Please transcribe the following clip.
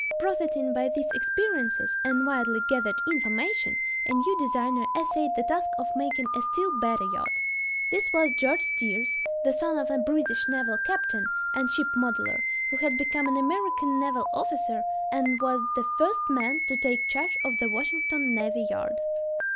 Profiting by these experiences and widely gathered information, a new designer essayed the task of making a still better yacht. This was George Steers, the son of a British naval captain and ship modeler, who had become an American naval officer and was the first man to take charge of the Washington navy yard.